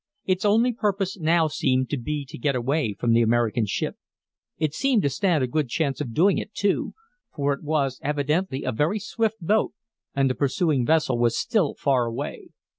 Its only purpose now seemed to be to get away from the American ship. It seemed to stand a good chance of doing it, too; for it was evidently a very swift boat, and the pursuing vessel was still far away.